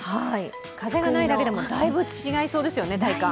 風がないだけでも、体感はだいぶ違いそうですよね。